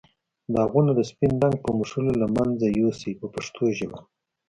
داغونه د سپین رنګ په مښلو له منځه یو سئ په پښتو ژبه.